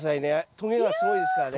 とげがすごいですからね。